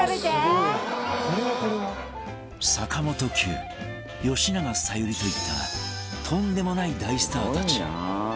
坂本九吉永小百合といったとんでもない大スターたち